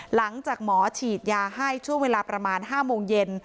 หลังจากหมอฉีดยาให้ช่วงเวลาประมาณ๕โมงเย็น